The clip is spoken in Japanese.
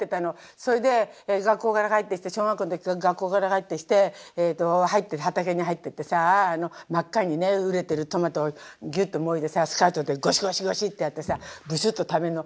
それで学校から帰ってきて小学校の時学校から帰ってきて畑に入ってってさ真っ赤に熟れてるトマトをギュッともいでさスカートでゴシゴシゴシッてやってさブチュッと食べんの。